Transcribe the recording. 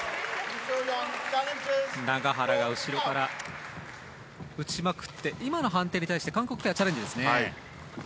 永原が後ろから打ちまくって今の判定に対して、韓国ペアがチャレンジですね。